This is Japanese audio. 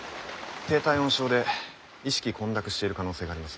低体温症で意識混濁している可能性があります。